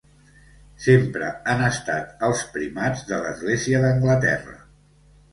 Sempre han estat els primats de l'església d'Anglaterra.